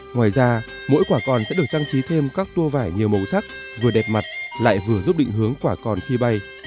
ngoài ra mỗi quả còn sẽ được trang trí thêm các tour vải nhiều màu sắc vừa đẹp mặt lại vừa giúp định hướng quả còn khi bay